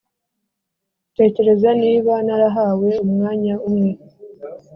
tekereza niba narahawe umwanya umwe,